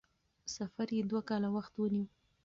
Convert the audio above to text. سفر یې دوه کاله وخت ونیو.